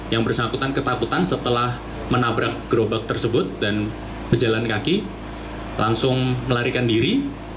yang bersangkutan ketakutan setelah menabrak gerobak tersebut dan pejalan kaki langsung melarikan diri